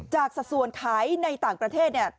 สัดส่วนขายในต่างประเทศเนี่ย